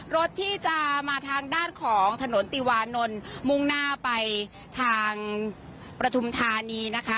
รถที่จะมาทางด้านของถนนติวานนท์มุ่งหน้าไปทางปฐุมธานีนะคะ